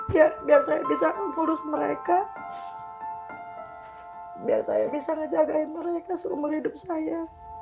biar biar saya bisa mengurus mereka biar saya bisa menjaga mereka seumur hidup saya